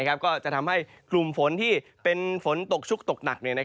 ก็จะทำให้กลุ่มฝนที่เป็นฝนตกชุกตกหนัก